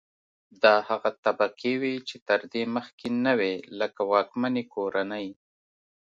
دا هغه طبقې وې چې تر دې مخکې نه وې لکه واکمنې کورنۍ.